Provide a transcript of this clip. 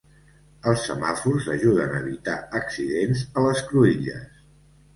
Els semàfors ajuden a evitar accidents a les cruïlles.